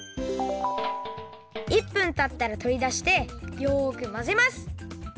１分たったらとりだしてよくまぜます！